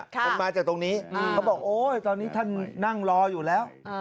คนมาจากตรงนี้เขาบอกโอ๊ยตอนนี้ท่านนั่งรออยู่แล้ว